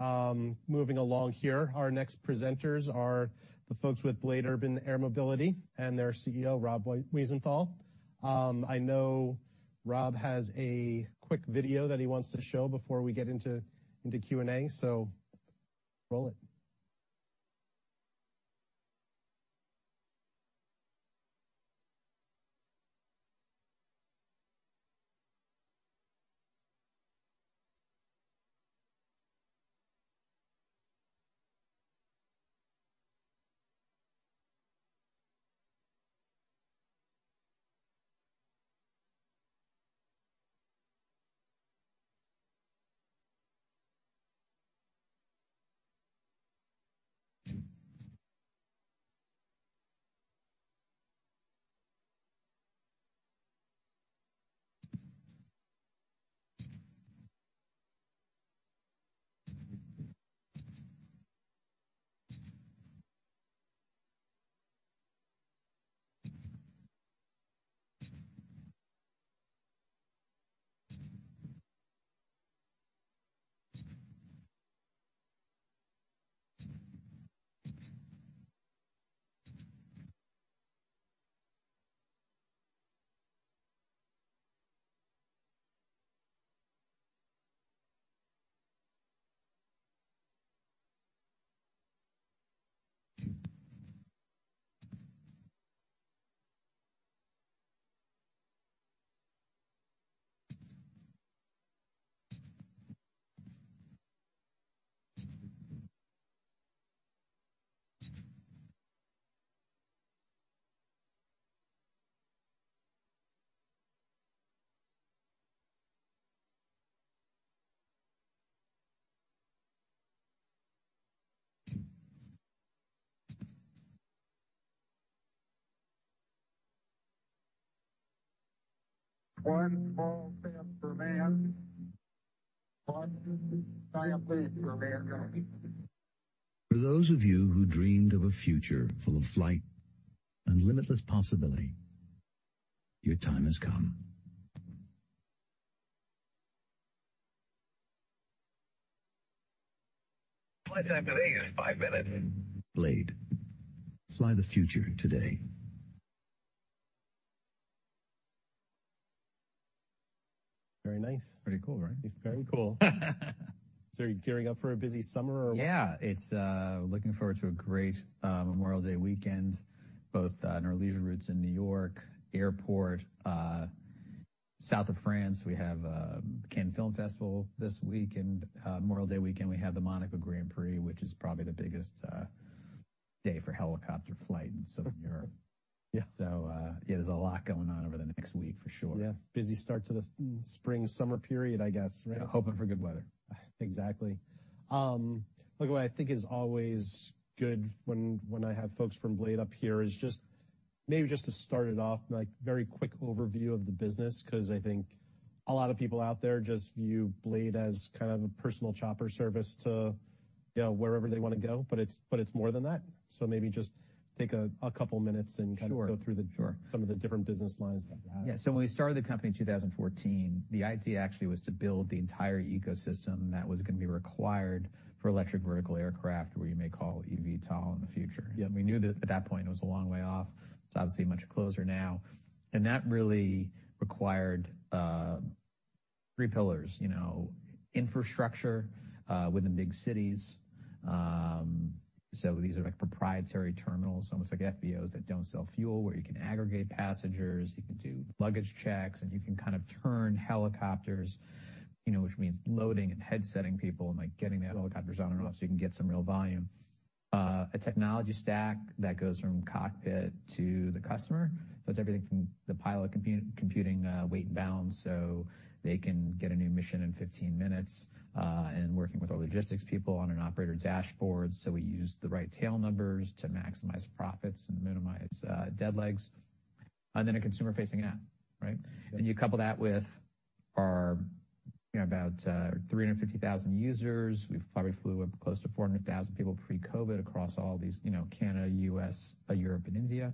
Everyone, moving along here. Our next presenters are the folks with Blade Urban Air Mobility and their CEO, Rob Wiesenthal. I know Rob has a quick video that he wants to show before we get into Q&A. Roll it. One small step for man, one giant leap for mankind. For those of you who dreamed of a future full of flight and limitless possibility, your time has come. Flight time to Vegas, five minutes. BLADE. Fly the Future Today. Very nice. Pretty cool, right? Very cool. Are you gearing up for a busy summer or? Yeah. It's looking forward to a great Memorial Day weekend, both in our leisure routes in New York Airport. South of France, we have the Cannes Film Festival this week. Memorial Day weekend, we have the Monaco Grand Prix, which is probably the biggest day for helicopter flight in Southern Europe. Yeah. Yeah, there's a lot going on over the next week for sure. Yeah. Busy start to the spring, summer period, I guess, right? Hoping for good weather. Exactly. Look, what I think is always good when I have folks from BLADE up here is just maybe just to start it off, like very quick overview of the business, 'cause I think a lot of people out there just view BLADE as kind of a personal chopper service to, you know, wherever they wanna go, it's, but it's more than that. Maybe just take a couple minutes. Sure, sure. Kind of go through some of the different business lines that you have. Yeah. When we started the company in 2014, the idea actually was to build the entire ecosystem that was gonna be required for electric vertical aircraft, where you may call eVTOL in the future. Yeah. We knew that at that point it was a long way off. It's obviously much closer now. That really required, three pillars, you know, infrastructure, within big cities. So these are like proprietary terminals, almost like FBOs that don't sell fuel, where you can aggregate passengers, you can do luggage checks, and you can kind of turn helicopters, you know, which means loading and head setting people and, like, getting the helicopters on and off so you can get some real volume. A technology stack that goes from cockpit to the customer. So it's everything from the pilot computing, weight and balance, so they can get a new mission in 15 minutes, and working with our logistics people on an operator dashboard, so we use the right tail numbers to maximize profits and minimize dead legs. A consumer-facing app, right? Yeah. You couple that with our, you know, about 350,000 users. We've probably flew up close to 400,000 people pre-COVID across all these, you know, Canada, U.S., Europe and India,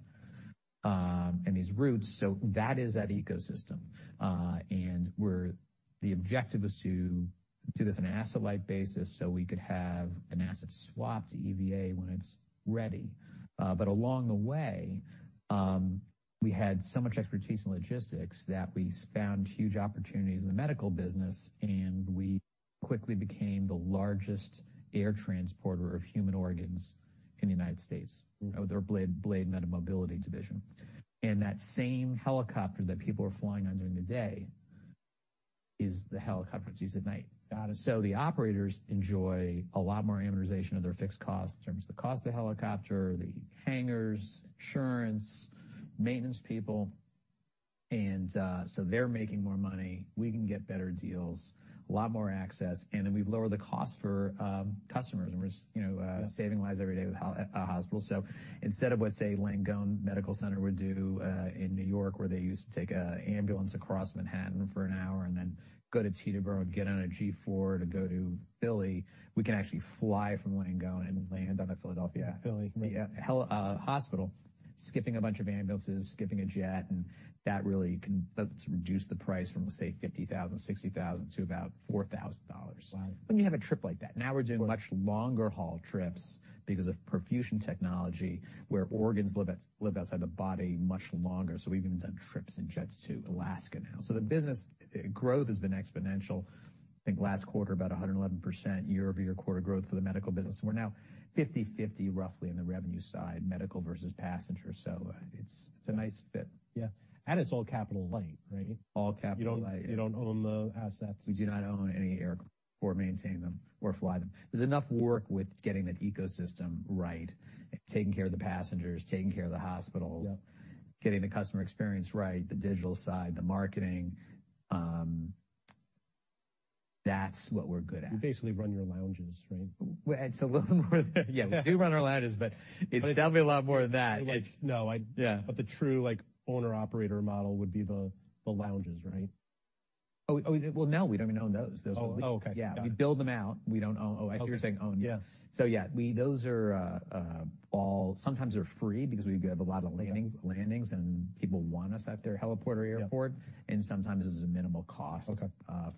and these routes. That is that ecosystem. The objective is to do this on an asset-light basis, so we could have an asset swap to EVA when it's ready. Along the way, we had so much expertise in logistics that we found huge opportunities in the medical business, and we quickly became the largest air transporter of human organs in the United States. Mm-hmm. Under BLADE MediMobility division. That same helicopter that people are flying under in the day is the helicopter used at night. Got it. The operators enjoy a lot more amortization of their fixed costs in terms of the cost of the helicopter, the hangars, insurance, maintenance people. They're making more money. We can get better deals, a lot more access, and then we've lowered the cost for customers. We're you know, Yeah... Saving lives every day with a hospital. Instead of what, say, NYU Langone Health would do, in New York, where they used to take a ambulance across Manhattan for an hour and then go to Teterboro, get on a G4 to go to Philly, we can actually fly from Langone and land on a Philadelphia Philly... Yeah, hospital, skipping a bunch of ambulances, skipping a jet, and that really that's reduced the price from, say, $50,000, $60,000 to about $4,000. Wow. When you have a trip like that. Now we're doing much longer haul trips because of profusion technology, where organs live out-live outside the body much longer. We even done trips in jets to Alaska now. The business growth has been exponential. Think last quarter, about 111% year-over-year quarter growth for the medical business. We're now 50/50 roughly in the revenue side, medical versus passenger. It's a nice fit. Yeah. It's all capital light, right? All capital light, yeah. You don't own the assets. We do not own any aircraft or maintain them or fly them. There's enough work with getting that ecosystem right, taking care of the passengers, taking care of the hospitals. Yep.... Getting the customer experience right, the digital side, the marketing. That's what we're good at. You basically run your lounges, right? Well, it's a little more than yeah. We do run our lounges, but it's definitely a lot more than that. Like, no. Yeah. The true, like, owner/operator model would be the lounges, right? Oh, well, no, we don't even own those. Those are leased. Oh, oh, okay. Got it. Yeah, we build them out. We don't own... Oh, I thought you were saying own. Yes. Yeah, those are all... Sometimes they're free because we have a lot of landings, and people want us at their heliport or airport. Yeah. Sometimes there's a minimal cost. Okay....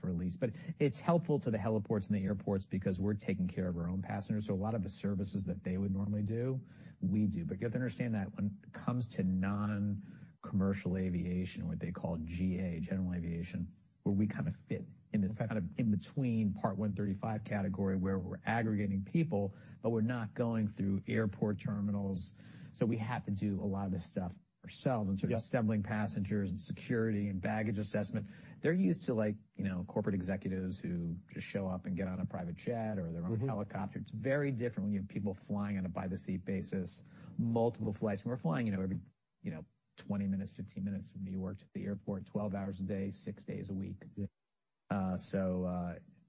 For a lease. It's helpful to the heliports and the airports because we're taking care of our own passengers. A lot of the services that they would normally do, we do. You have to understand that when it comes to non-commercial aviation, what they call GA, general aviation, where we kind of fit in- Okay.... this kind of in between Part 135 category where we're aggregating people, but we're not going through airport terminals, so we have to do a lot of this stuff ourselves in terms of- Yep.... assembling passengers and security and baggage assessment. They're used to like, you know, corporate executives who just show up and get on a private jet or their own- Mm-hmm... helicopter. It's very different when you have people flying on a by-the-seat basis, multiple flights. We're flying, you know, every, you know, 20 minutes, 15 minutes from New York to the airport, 12 hours a day, six days a week. Yeah.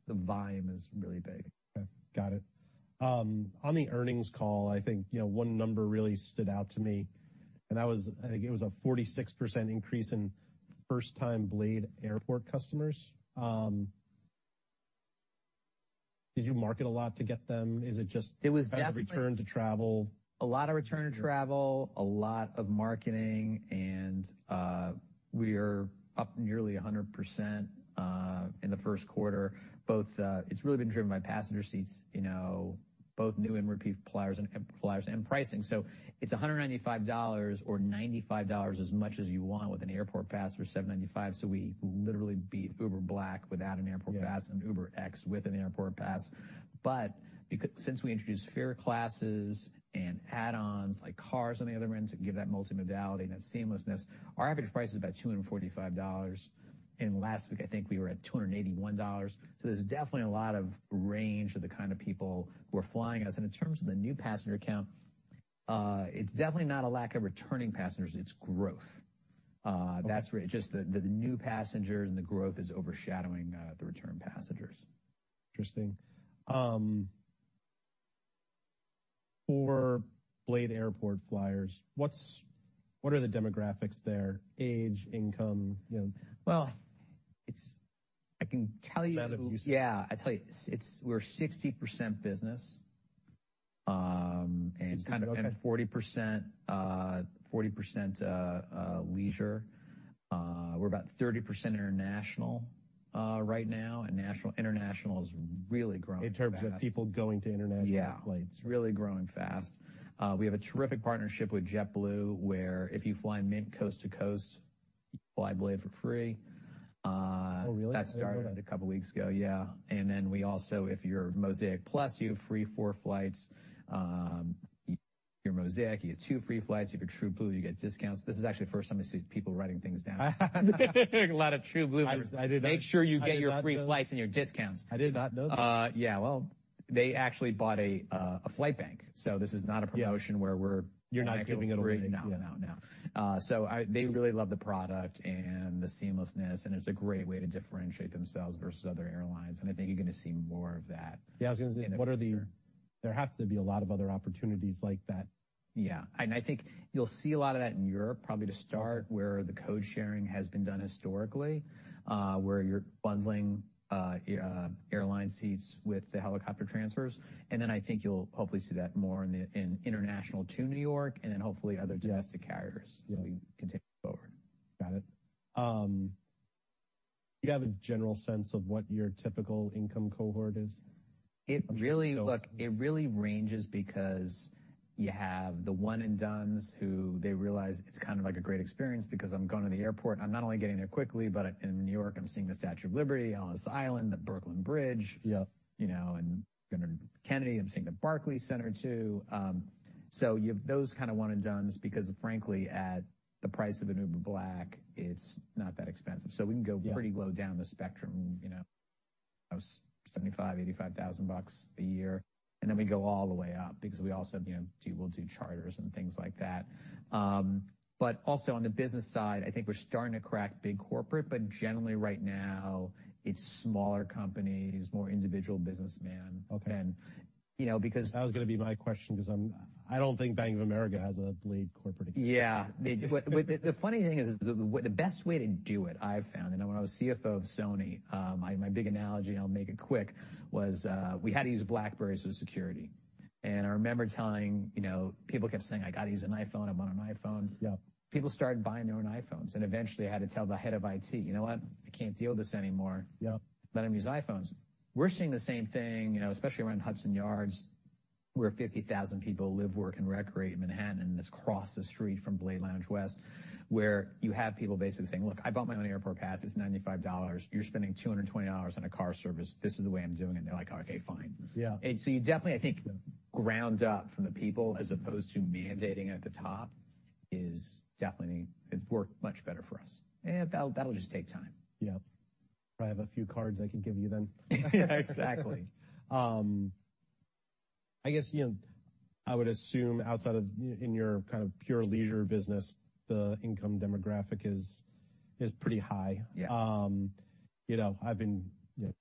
The volume is really big. Okay, got it. On the earnings call, I think, you know, one number really stood out to me, and that was, I think it was a 46% increase in first time BLADE Airport customers. Did you market a lot to get them? It was definitely-.... kind of a return to travel? A lot of return to travel, a lot of marketing, we're up nearly 100% in the first quarter. It's really been driven by passenger seats, you know, both new and repeat flyers and pricing. It's $195 or $95 as much as you want with an airport pass for $795. We literally beat Uber Black without an airport pass. Yeah.... and UberX with an airport pass. since we introduced fare classes and add-ons like cars on the other end to give that multimodality and that seamlessness, our average price is about $245. Last week, I think we were at $281. There's definitely a lot of range of the kind of people who are flying us. In terms of the new passenger count, it's definitely not a lack of returning passengers, it's growth. That's where. Just the new passengers and the growth is overshadowing the return passengers. Interesting. For BLADE Airport flyers, what are the demographics there? Age, income, you know. Well, I can tell you- That if. Yeah. I'll tell you, it's we're 60% business. 60, okay.... and kind of, and 40% leisure. We're about 30% international right now. International has really grown fast. In terms of people going to international flights. Yeah. It's really growing fast. We have a terrific partnership with JetBlue, where if you fly Mint coast to coast, you can fly BLADE for free. Oh, really? That started a couple weeks ago. Yeah. We also, if you're Mosaic+, you have free four flights. If you're Mosaic, you get two free flights. If you're TrueBlue, you get discounts. This is actually the first time I see people writing things down. A lot of TrueBlue- I did not. Make sure you get your free flights and your discounts. I did not know that. Yeah. Well, they actually bought a flight bank, so this is not a promotion- Yeah Where You're not giving it away. No, no. They really love the product and the seamlessness. It's a great way to differentiate themselves versus other airlines. I think you're gonna see more of that. Yeah, I was gonna say- In the future. There have to be a lot of other opportunities like that. Yeah. I think you'll see a lot of that in Europe probably to start, where the code sharing has been done historically, where you're bundling airline seats with the helicopter transfers. Then I think you'll hopefully see that more in the, in international to New York, and then hopefully other domestic carriers. Yeah... as we continue to move forward. Got it. Do you have a general sense of what your typical income cohort is? It really- So- Look, it really ranges because you have the one and dones who, they realize it's kind of like a great experience because I'm going to the airport. I'm not only getting there quickly, but in New York, I'm seeing the Statue of Liberty, Ellis Island, the Brooklyn Bridge. Yep. You know, going to Kennedy, I'm seeing the Barclays Center, too. You have those kind of one and dones because frankly, at the price of an Uber Black, it's not that expensive. Yeah... pretty low down the spectrum, you know? I was $75,000-$85,000 a year, and then we go all the way up because we also, you know, we'll do charters and things like that. Also on the business side, I think we're starting to crack big corporate. Generally right now it's smaller companies, more individual businessman. Okay. you know That was gonna be my question 'cause I'm, I don't think Bank of America has a BLADE corporate account. Yeah. They do. The funny thing is the best way to do it, I've found, and when I was CFO of Sony, my big analogy, and I'll make it quick, was, we had to use BlackBerrys with security. I remember telling, you know, people kept saying, "I gotta use an iPhone. I want an iPhone. Yeah. People started buying their own iPhones, and eventually I had to tell the head of IT, "You know what? I can't deal with this anymore. Yeah. Let them use iPhones." We're seeing the same thing, you know, especially around Hudson Yards, where 50,000 people live, work, and recreate in Manhattan. It's across the street from BLADE Lounge West, where you have people basically saying, "Look, I bought my own Airport Pass. It's $95. You're spending $220 on a car service. This is the way I'm doing it." They're like, "Okay, fine. Yeah. You definitely, I think, ground up from the people as opposed to mandating it at the top is definitely, it's worked much better for us. That'll just take time. Yeah. I have a few cards I can give you then. Yeah. Exactly. I guess, you know, I would assume outside of, in your kind of pure leisure business, the income demographic is pretty high. Yeah. You know, I've been, you know,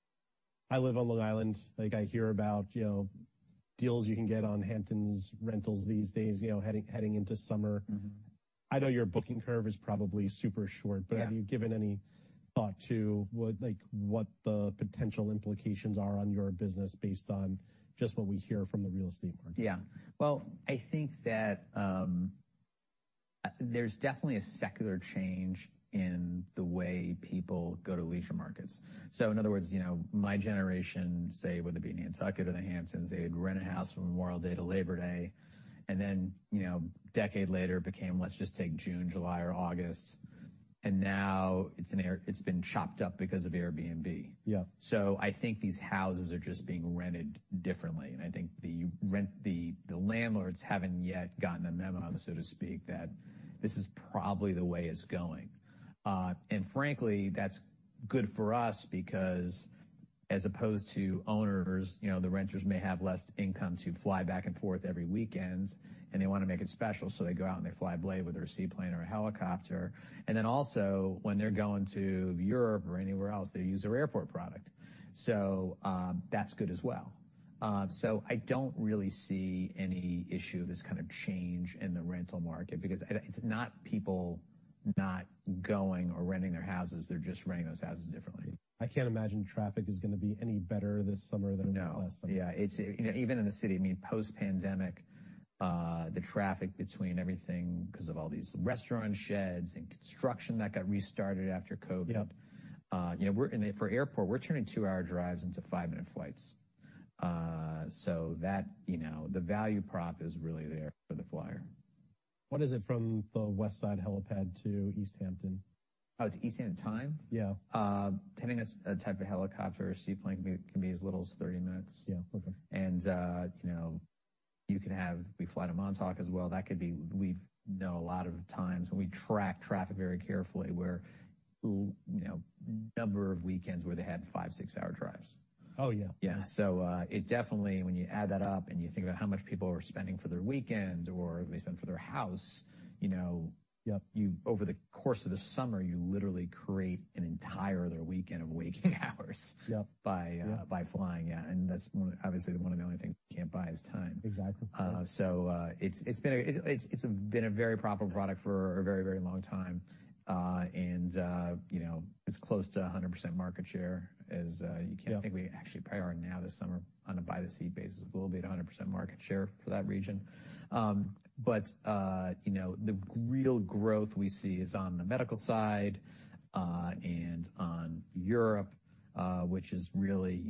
I live on Long Island. Like, I hear about, you know, deals you can get on Hamptons rentals these days, you know, heading into summer. Mm-hmm. I know your booking curve is probably super short. Yeah. Have you given any thought to what, like, what the potential implications are on your business based on just what we hear from the real estate market? Yeah. Well, I think that, there's definitely a secular change in the way people go to leisure markets. In other words, you know, my generation, say, whether it be in the Nantucket or the Hamptons, they'd rent a house from Memorial Day to Labor Day. Then, you know, decade later, it became, "Let's just take June, July or August." Now it's been chopped up because of Airbnb. Yeah. I think these houses are just being rented differently, and I think the landlords haven't yet gotten a memo, so to speak, that this is probably the way it's going. Frankly, that's good for us because as opposed to owners, you know, the renters may have less income to fly back and forth every weekend, and they wanna make it special, so they go out and they fly BLADE, whether a seaplane or a helicopter. Also when they're going to Europe or anywhere else, they use our airport product. That's good as well. I don't really see any issue, this kind of change in the rental market, because it's not people not going or renting their houses, they're just renting those houses differently. I can't imagine traffic is gonna be any better this summer than it was last summer. No. Yeah. It's, you know, even in the city, I mean, post-pandemic, the traffic between everything 'cause of all these restaurant sheds and construction that got restarted after COVID. Yep. You know, for Airport, we're turning two-hour drives into five-minute flights. you know, the value prop is really there for the flyer. What is it from the West Side helipad to East Hampton? Oh, to East Hampton in time? Yeah. Depending on the type of helicopter or seaplane, it can be as little as 30 minutes. Yeah. Okay. You know, we fly to Montauk as well. We know a lot of times, and we track traffic very carefully, where, you know, number of weekends where they had five, six-hour drives. Oh, yeah. Yeah. It definitely, when you add that up and you think about how much people are spending for their weekend or they spend for their house, you know. Yeah You, over the course of the summer, you literally create an entire other weekend of waking hours. Yeah. By flying. Yeah. That's obviously one of the only things you can't buy is time. Exactly. It's been a very profitable product for a very long time. You know, it's close to 100% market share as. Yeah ...You can't think we actually probably are now this summer on a by-the-sea basis. We'll be at 100% market share for that region. You know, the real growth we see is on the medical side, and on Europe, which is really,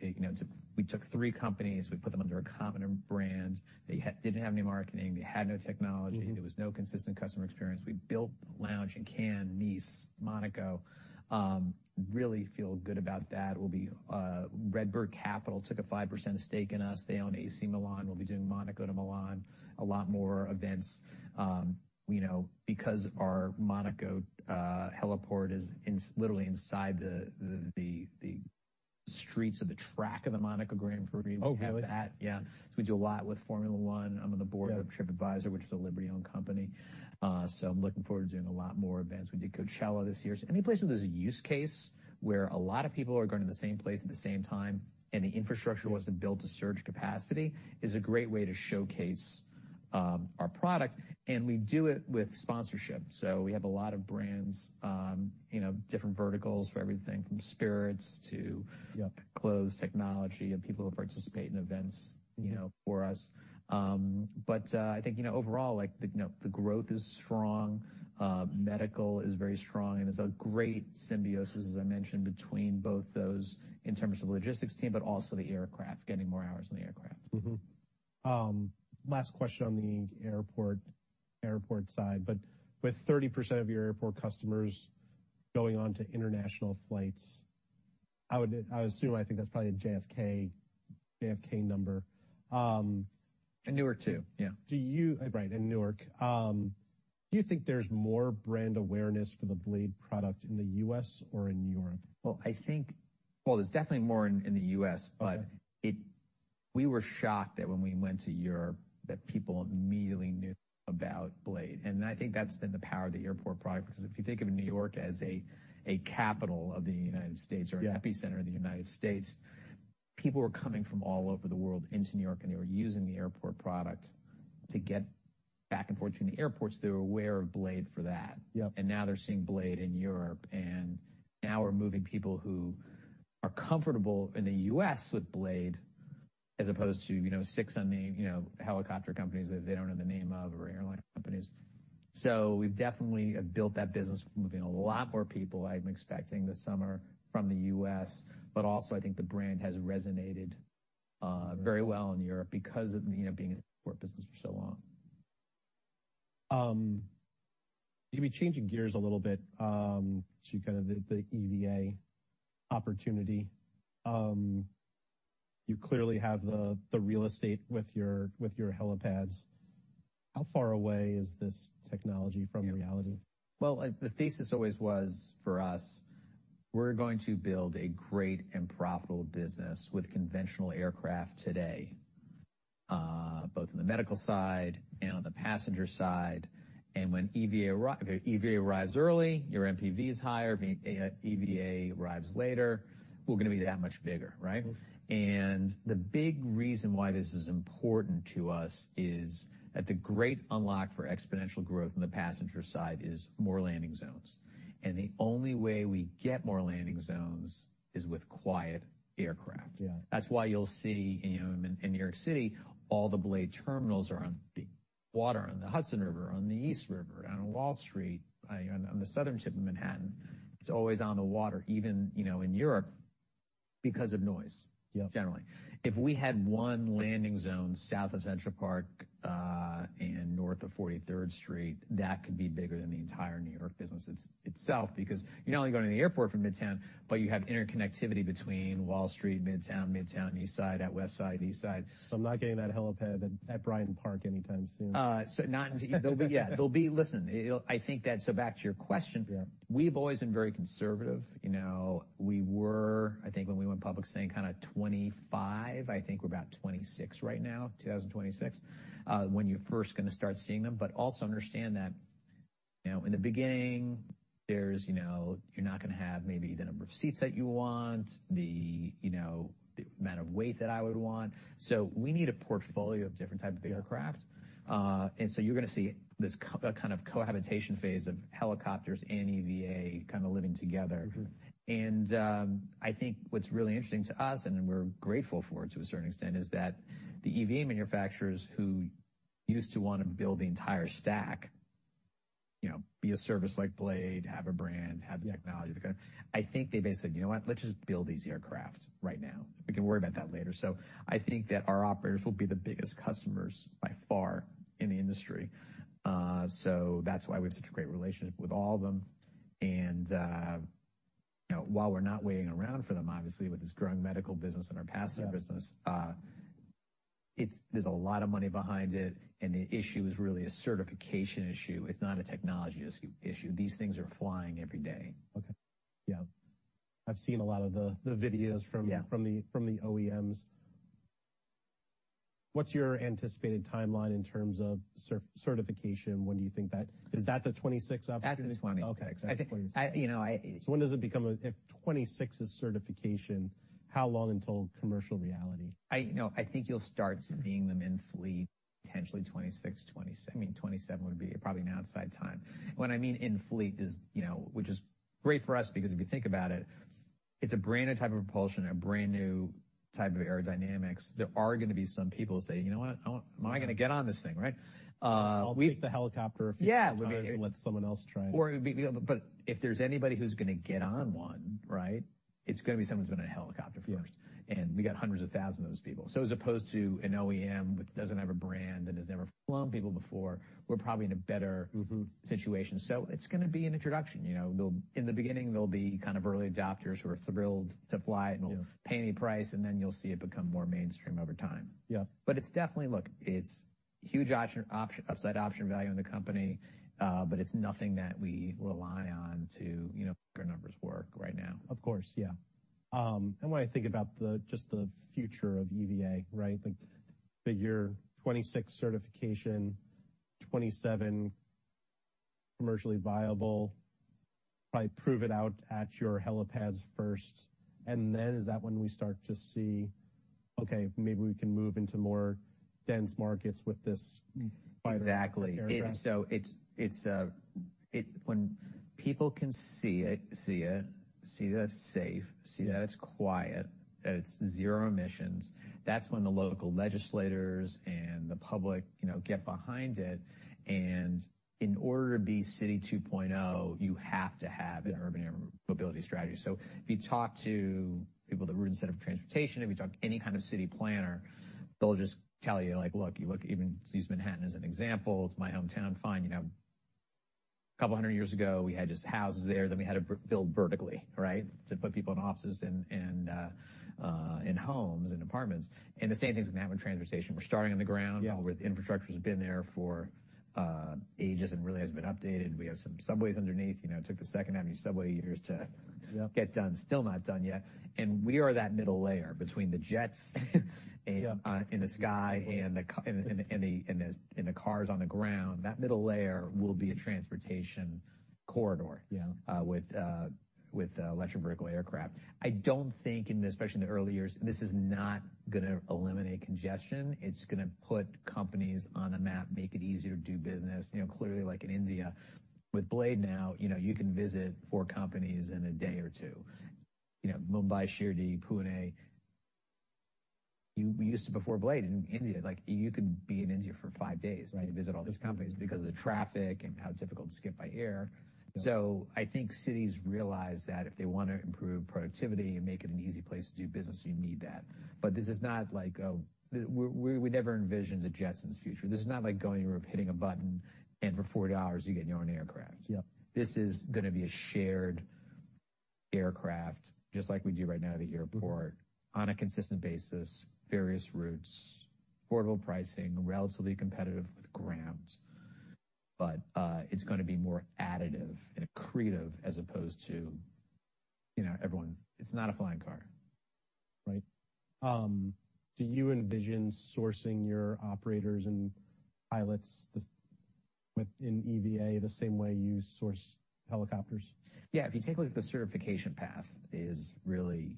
it's a... We took three companies, we put them under a common brand. They didn't have any marketing. They had no technology. Mm-hmm. There was no consistent customer experience. We built the lounge in Cannes, Nice, Monaco. Really feel good about that. We'll be RedBird Capital took a 5% stake in us. They own AC Milan. We'll be doing Monaco to Milan, a lot more events, you know, because our Monaco heliport is literally inside the streets of the track of the Monaco Grand Prix. Oh, really? We have that. Yeah. We do a lot with Formula 1. Yeah ...of Tripadvisor, which is a Liberty-owned company. I'm looking forward to doing a lot more events. We did Coachella this year. Any place where there's a use case, where a lot of people are going to the same place at the same time, and the infrastructure wasn't built to surge capacity, is a great way to showcase our product, and we do it with sponsorship. We have a lot of brands, you know, different verticals for everything from spirits. Yep ...clothes, technology, and people who participate in events. Mm-hmm ...you know, for us. I think, you know, overall, like, the, you know, the growth is strong, medical is very strong, and there’s a great symbiosis, as I mentioned, between both those in terms of the logistics team, but also the aircraft, getting more hours on the aircraft. Last question on the airport side. With 30% of your airport customers going on to international flights, I would, I assume, I think that's probably at JFK number. Newark too. Yeah. Right, and Newark. Do you think there's more brand awareness for the BLADE product in the U.S. or in Europe? Well, I think, Well, there's definitely more in the U.S., but we were shocked that when we went to Europe, that people immediately knew about BLADE. I think that's been the power of the airport product, because if you think of New York as a capital of the United States... Yeah. An epicenter of the United States, people were coming from all over the world into New York, and they were using the Airport product to get back and forth from the airports. They were aware of BLADE for that. Yep. Now they're seeing BLADE in Europe, and now we're moving people who are comfortable in the U.S. with BLADE as opposed to, you know, six on the, you know, helicopter companies that they don't know the name of or airline companies. We've definitely built that business. We're moving a lot more people, I'm expecting this summer from the U.S., but also I think the brand has resonated very well in Europe because of, you know, being in the airport business for so long. Maybe changing gears a little bit, to kind of the EVA opportunity. You clearly have the real estate with your, with your helipads. How far away is this technology from reality? Well, the thesis always was, for us, we're going to build a great and profitable business with conventional aircraft today, both in the medical side and on the passenger side. If EVA arrives early, your NPV is higher, EVA arrives later, we're gonna be that much bigger, right? Mm-hmm. The big reason why this is important to us is that the great unlock for exponential growth on the passenger side is more landing zones. The only way we get more landing zones is with quiet aircraft. Yeah. That's why you'll see, you know, in New York City, all the BLADE terminals are on the water, on the Hudson River, on the East River, on Wall Street, on the southern tip of Manhattan. It's always on the water, even, you know, in Europe, because of noise- Yeah. generally. If we had one landing zone south of Central Park, and north of 43rd Street, that could be bigger than the entire New York business itself, because you're not only going to the airport from Midtown, but you have interconnectivity between Wall Street, Midtown East Side, at West Side, East Side. I'm not getting that helipad at Bryant Park anytime soon. Yeah. Listen, back to your question. Yeah. We've always been very conservative. You know, we were, I think, when we went public, saying kinda 2025. I think we're about 2026 right now, 2026, when you're first gonna start seeing them. Also understand that, you know, in the beginning there's, you're not gonna have maybe the number of seats that you want, the, you know, the amount of weight that I would want. We need a portfolio of different types of aircraft. You're gonna see that kind of cohabitation phase of helicopters and EVA kinda living together. Mm-hmm. I think what's really interesting to us, and we're grateful for it to a certain extent, is that the EVA manufacturers who used to wanna build the entire stack, you know, be a service like BLADE, have a brand, have the technology, I think they basically said, "You know what? Let's just build these aircraft right now. We can worry about that later." I think that our operators will be the biggest customers by far in the industry. That's why we have such a great relationship with all of them. You know, while we're not waiting around for them, obviously with this growing medical business and our passenger business. Yeah. There's a lot of money behind it. The issue is really a certification issue. It's not a technology issue. These things are flying every day. Okay. Yeah. I've seen a lot of the videos from- Yeah. from the OEMs. What's your anticipated timeline in terms of certification? When do you think that? Is that the 2026 opportunity? That's the 2026. Okay. I think, You know. When does it become a... If 2026 is certification, how long until commercial reality? You know, I think you'll start seeing them in fleet potentially 2026, I mean, 2027 would be probably an outside time. When I mean in fleet is, you know, which is great for us because if you think about it's a brand new type of propulsion, a brand new type of aerodynamics. There are gonna be some people saying, "You know what? I'm not gonna get on this thing," right? I'll take the helicopter a few times. Yeah. Let someone else try it. If there's anybody who's gonna get on one, right, it's gonna be someone who's been in a helicopter first. Yeah. We got hundreds of thousands of those people. As opposed to an OEM which doesn't have a brand and has never flown people before, we're probably in a better. Mm-hmm. -situation. it's gonna be an introduction, you know. In the beginning, there'll be kind of early adopters who are thrilled to fly it. Yeah. Will pay any price, and then you'll see it become more mainstream over time. Yeah. Look, it's huge upside option value in the company, but it's nothing that we rely on to, you know, make our numbers work right now. Of course, yeah. When I think about the, just the future of EVA, right? Like figure 2026 certification, 2027 commercially viable. Probably prove it out at your helipads first, is that when we start to see, okay, maybe we can move into more dense markets with this quieter aircraft? Exactly. It's, it's When people can see it, see that it's safe, see that it's quiet, that it's zero emissions, that's when the local legislators and the public, you know, get behind it. In order to be city 2.0, you have to have an urban air mobility strategy. If you talk to people at the Eno Center for Transportation, if you talk to any kind of city planner, they'll just tell you, like, "Look, you look even..." Use Manhattan as an example. It's my hometown. Fine. You know, a couple hundred years ago, we had just houses there, then we had to build vertically, right? To put people in offices and, in homes and apartments. The same thing's gonna happen in transportation. We're starting on the ground- Yeah. where the infrastructure's been there for, ages and really hasn't been updated. We have some subways underneath. You know, it took the Second Avenue Subway years to. Yep. get done. Still not done yet. We are that middle layer between the jets and- Yeah. in the sky and the cars on the ground. That middle layer will be a transportation corridor. Yeah. with electric vertical aircraft. I don't think, and especially in the early years, this is not gonna eliminate congestion. It's gonna put companies on the map, make it easier to do business. You know, clearly like in India with BLADE now, you know, you can visit four companies in a day or two. You know, Mumbai, Shirdi, Pune. We used to, before BLADE, in India, like, you could be in India for five days- Right. to visit all these companies because of the traffic and how difficult to get by air. Yeah. I think cities realize that if they wanna improve productivity and make it an easy place to do business, you need that. This is not like a. We never envisioned the Jetsons future. This is not like going or hitting a button and for $40 you get your own aircraft. Yep. This is gonna be a shared aircraft, just like we do right now to the airport, on a consistent basis, various routes, affordable pricing, relatively competitive with ground. It's gonna be more additive and accretive as opposed to, you know, everyone. It's not a flying car. Right. Do you envision sourcing your operators and pilots in EVA the same way you source helicopters? Yeah. If you take a look, the certification path is really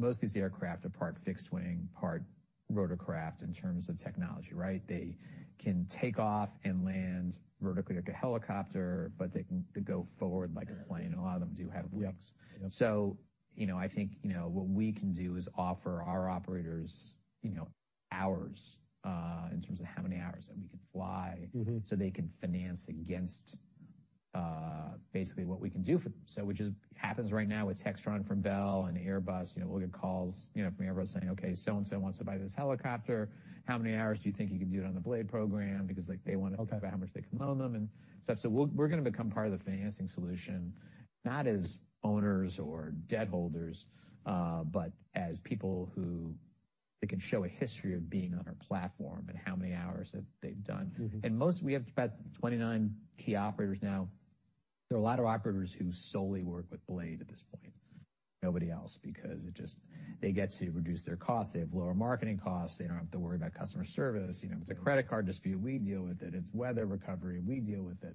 Most of these aircraft are part fixed wing, part rotorcraft in terms of technology, right? They can take off and land vertically like a helicopter, but they go forward like a plane. A lot of them do have wings. Yep. Yep. you know, I think, you know, what we can do is offer our operators, you know, hours in terms of how many hours that we can fly... Mm-hmm. They can finance against, basically what we can do for them. Which happens right now with Textron from Bell and Airbus. You know, we'll get calls, you know, from Airbus saying, "Okay, so and so wants to buy this helicopter. How many hours do you think you could do it on the BLADE program?" Because, like, they. Okay. figure out how much they can loan them and such. We're gonna become part of the financing solution, not as owners or debt holders, but as people who they can show a history of being on our platform and how many hours that they've done. Mm-hmm. Most, we have about 29 key operators now. There are a lot of operators who solely work with BLADE at this point, nobody else, because they get to reduce their costs. They have lower marketing costs. They don't have to worry about customer service. You know, if it's a credit card dispute, we deal with it. If it's weather recovery, we deal with it.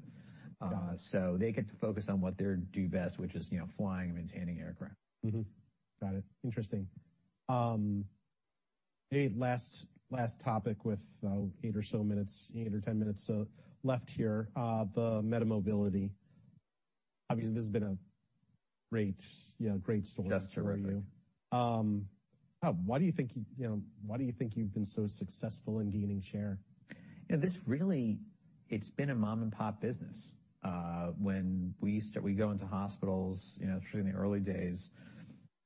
Got it. They get to focus on what they're do best, which is, you know, flying and maintaining aircraft. Mm-hmm. Got it. Interesting. Okay, last topic with, eight or so minutes, eight or 10 minutes, left here. The MediMobility. Obviously, this has been a great, you know, great story for you. Just terrific. Why do you think you know, why do you think you've been so successful in gaining share? You know, this really, it's been a mom-and-pop business. When we go into hospitals, you know, through the early days,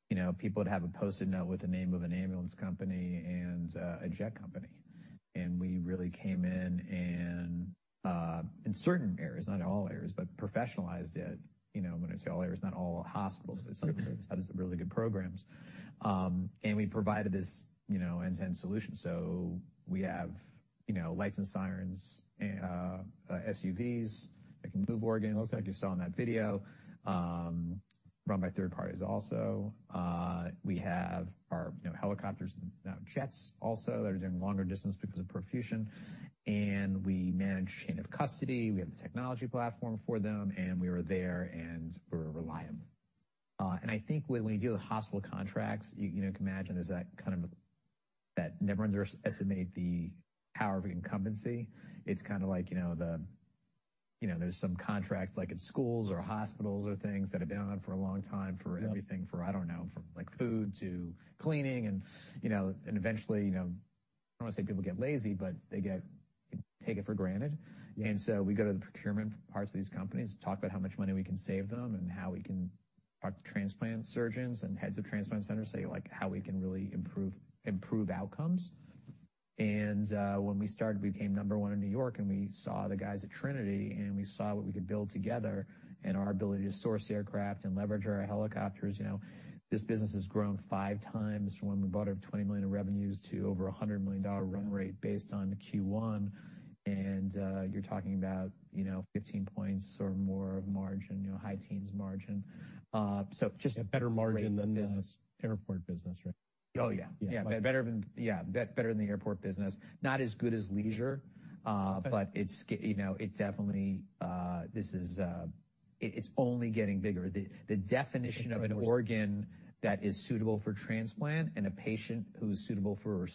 you know, people would have a Post-it note with the name of an ambulance company and a jet company. We really came in and in certain areas, not all areas, but professionalized it. You know, when I say all areas, not all hospitals. Some have really good programs. We provided this, you know, end-to-end solution. We have, you know, lights and sirens SUVs that can move organs like you saw in that video, run by third parties also. We have our, you know, helicopters and now jets also that are doing longer distance because of perfusion. We manage chain of custody. We have the technology platform for them, and we are there, and we're reliable. I think when you deal with hospital contracts, you know, can imagine there's that kind of that never underestimate the power of incumbency. It's kinda like, you know, the, you know, there's some contracts, like at schools or hospitals or things that have been on for a long time for everything. Yep. for, I don't know, from, like, food to cleaning and, you know. Eventually, you know, I don't wanna say people get lazy, but they take it for granted. Yeah. We go to the procurement parts of these companies, talk about how much money we can save them and how we can talk to transplant surgeons and heads of transplant centers, like, how we can really improve outcomes. When we started, we became number one in New York, and we saw the guys at Trinity, and we saw what we could build together, and our ability to source the aircraft and leverage our helicopters, you know. This business has grown five times from when we bought it with $20 million in revenues to over a $100 million run rate based on the Q1. You're talking about, you know, 15 points or more of margin, you know, high teens margin. A better margin than the-. Great business. airport business, right? Oh, yeah. Yeah. BLADE. Yeah, better than the airport business. Not as good as leisure. Okay. It's you know, it definitely, this is, it's only getting bigger. The definition of an organ that is suitable for transplant and a patient who is suitable for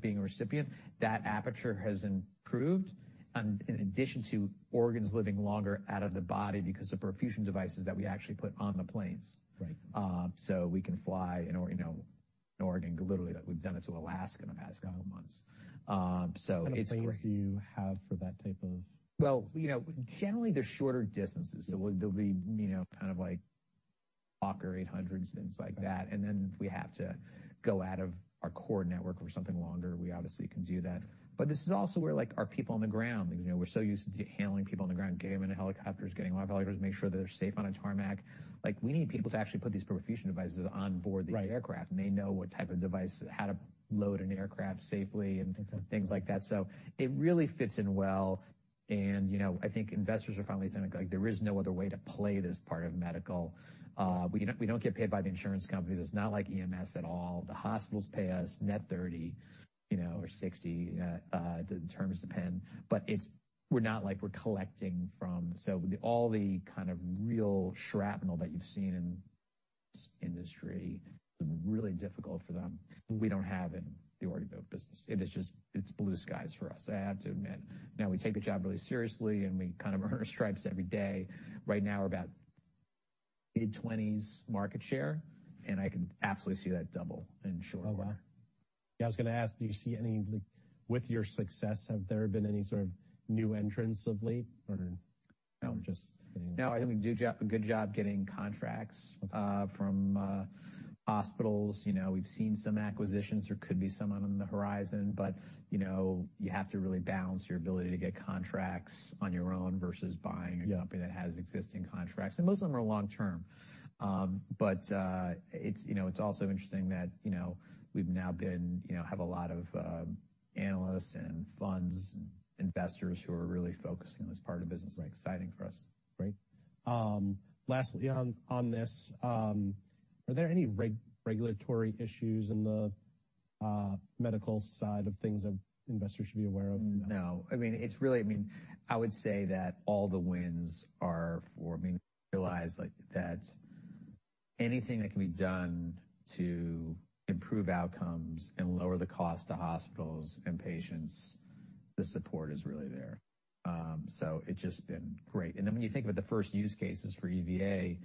being a recipient, that aperture has improved, in addition to organs living longer out of the body because of perfusion devices that we actually put on the planes. Right. We can fly, you know, an organ literally like we've done it to Alaska in the past couple months. It's great. What kind of range do you have for that type of- You know, generally, they're shorter distances. There'll be, you know, kind of like Hawker 800s, things like that. If we have to go out of our core network for something longer, we obviously can do that. This is also where, like, our people on the ground, you know, we're so used to handling people on the ground, getting them into helicopters, getting them out of helicopters, make sure they're safe on a tarmac. Like, we need people to actually put these perfusion devices on board these aircraft. Right. They know what type of device, how to load an aircraft safely and things like that. It really fits in well, and, you know, I think investors are finally seeing it, like, there is no other way to play this part of medical. We don't, we don't get paid by the insurance companies. It's not like EMS at all. The hospitals pay us net 30, you know, or 60. The terms depend. We're not like we're collecting from. All the kind of real shrapnel that you've seen in this industry, really difficult for them, we don't have in the already built business. It is just, it's blue skies for us, I have to admit. We take the job really seriously, and we kind of earn our stripes every day. Right now we're about mid-20s market share. I can absolutely see that double in short order. Oh, wow. Yeah, I was gonna ask, do you see With your success, have there been any sort of new entrants of late or? No. Just staying. No, I think we do a good job getting contracts from hospitals. You know, we've seen some acquisitions. There could be some on the horizon. You know, you have to really balance your ability to get contracts on your own versus buying a company that has existing contracts. Most of them are long-term. But, you know, it's also interesting that, you know, we've now, you know, have a lot of analysts and funds and investors who are really focusing on this part of the business. Exciting for us. Right. lastly on this, are there any regulatory issues in the medical side of things that investors should be aware of? No. I mean, it's really I mean, I would say that all the wins are for being realized like that anything that can be done to improve outcomes and lower the cost to hospitals and patients, the support is really there. It's just been great. When you think about the first use cases for EVA,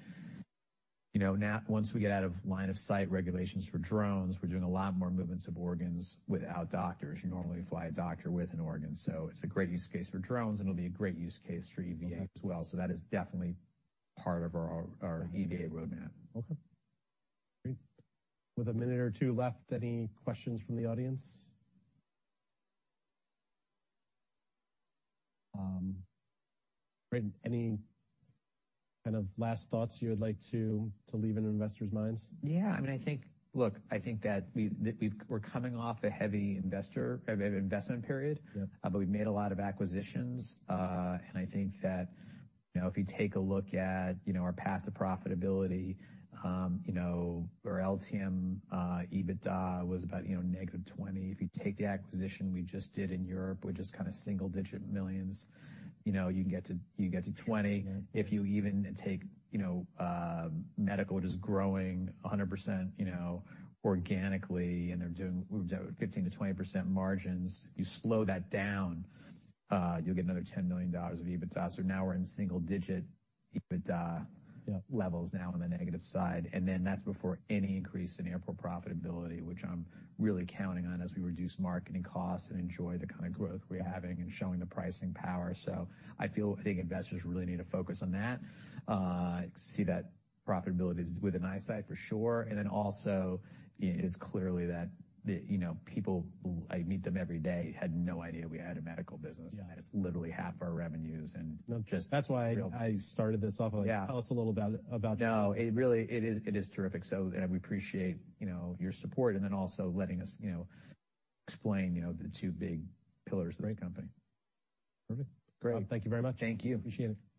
you know, now once we get out of line of sight regulations for drones, we're doing a lot more movements of organs without doctors. You normally fly a doctor with an organ, it's a great use case for drones, it'll be a great use case for EVA as well. That is definitely part of our EVA roadmap. Okay. Great. With a minute or two left, any questions from the audience? Rob, any kind of last thoughts you would like to leave in investors' minds? Yeah, I mean, I think, look, I think we're coming off a heavy investment period. Yeah. We've made a lot of acquisitions. I think that, you know, if you take a look at, you know, our path to profitability, you know, our LTM EBITDA was about, you know, negative $20 million. If you take the acquisition we just did in Europe, we're just kind of single-digit millions. You know, you can get to $20 million. If you even take, you know, medical just growing 100%, you know, organically and we're doing 15%-20% margins. You slow that down, you'll get another $10 million of EBITDA. Now we're in single-digit EBITDA. Yeah. levels now on the negative side. That's before any increase in airport profitability, which I'm really counting on as we reduce marketing costs and enjoy the kind of growth we're having and showing the pricing power. I feel, I think investors really need to focus on that. See that profitability with an eyesight for sure. It is clearly that, you know, people, I meet them every day, had no idea we had a medical business. Yeah. It's literally half our revenues. That's why I started this off. Yeah. Tell us a little about that. No, it really, it is terrific. We appreciate, you know, your support and then also letting us, you know, explain, you know, the two big pillars of the company. Great. Perfect. Great. Thank you very much. Thank you. Appreciate it.